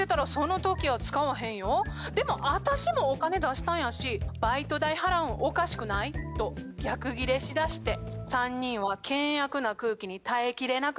私もお金出したんやしバイト代払うんおかしくない？」と逆ギレしだして３人は険悪な空気に耐えきれなくなって泣きだしちゃいました。